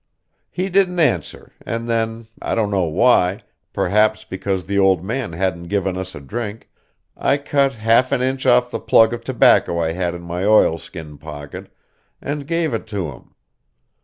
He didn't answer, and then, I don't know why, perhaps because the old man hadn't given us a drink, I cut half an inch off the plug of tobacco I had in my oilskin pocket, and gave it to him.